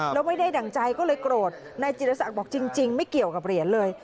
แล้วไม่ได้ดั่งใจก็เลยโกรธนายจิตรศักดิ์บอกจริงไม่เกี่ยวกับเหรียญเลย